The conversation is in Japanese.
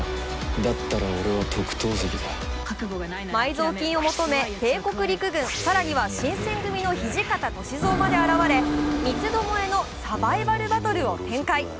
埋蔵金を求め、帝国陸軍更には新選組の土方歳三まで現れ、三つどもえのサバイバルバトルを展開。